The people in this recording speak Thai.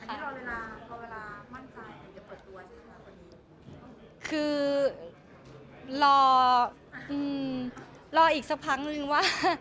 อันนี้รอเวลารอเวลามั่นใจเดี๋ยวเปิดตัวคือรออีกสักครั้งหนึ่งว่า